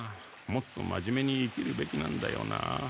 もっと真面目に生きるべきなんだよな。